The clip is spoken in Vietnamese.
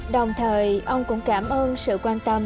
đồng thời ông cũng cảm ơn sự quan tâm